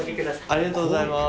ありがとうございます。